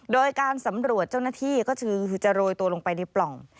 โดยการสำรวจเจ้าหน้าที่ก็คือจะโรยตัวลงไปในปล่อง